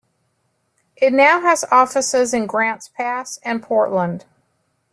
It now has offices in Grants Pass and Portland.